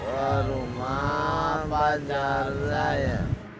ke rumah pacar saya